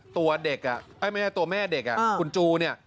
ตัวแม่เด็กคุณจูเนี่ย